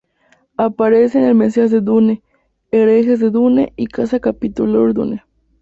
Aparece en El Mesías de Dune, Herejes de Dune y Casa Capitular Dune.